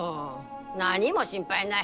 何も心配ない。